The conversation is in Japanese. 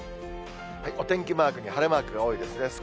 お天気マークに晴れマークが多いですね。